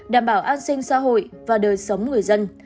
đảm bảo an sinh xã hội và đời sống người dân